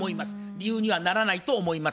理由にはならないと思いますね。